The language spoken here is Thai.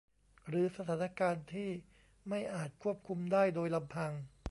หรือสถานการณ์ที่ไม่อาจควบคุมได้โดยลำพัง